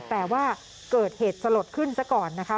แต่ว่าเกิดเหตุสลดขึ้นซะก่อนนะคะ